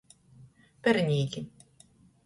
Pernīki.